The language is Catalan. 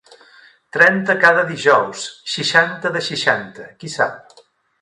Trenta cada dijous, seixanta de seixanta, qui sap!